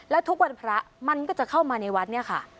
แล้วทุกวันพระมันก็จะเข้ามาในวัดเนี่ยค่ะ